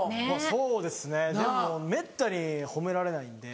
そうですねでもめったに褒められないんで。